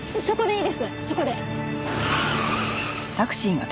そこで。